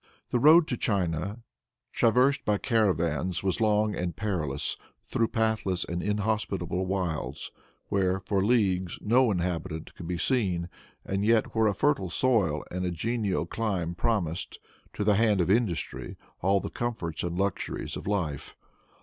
The road to China, traversed by caravans, was long and perilous, through pathless and inhospitable wilds, where, for leagues, no inhabitant could be seen, and yet where a fertile soil and a genial clime promised, to the hand of industry, all the comforts and luxuries of life.